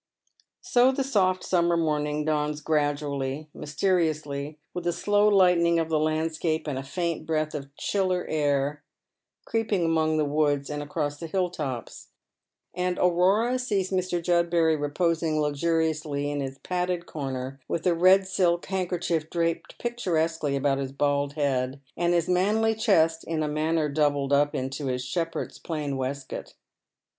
So the soft summer morning dawns gradually, mysteriously, with a slow lightening of the landscape and a faint breath of cliiller air creeping among the woods and across the hill tops, and Aurora sees Mr. Judbury reposing luxuriously in his padded comer with a red silk handkerchief draped picturesquely about his bald head, and his manly chest in a manner doubled up into his shepherd's plaid waistcoat.